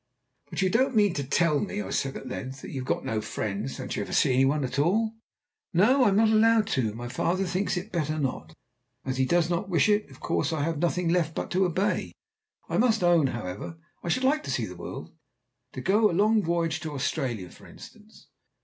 "But you don't mean to tell me," I said at length, "that you've got no friends? Don't you ever see any one at all?" "No, I am not allowed to. My father thinks it better not. And as he does not wish it, of course I have nothing left but to obey. I must own, however, I should like to see the world to go along voyage to Australia, for instance."